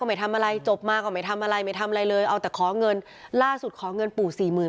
ปู่บอกปู่บอกปู่บอกปู่บอกปู่บอกปู่บอกปู่บอกปู่บอกปู่บอก